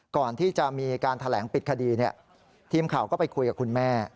ก่อนที่จะมีการแถลงปิดคดีทีมข่าวก็ไปคุยกับคุณแม่